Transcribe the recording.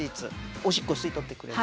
おしっこを吸い取ってくれる。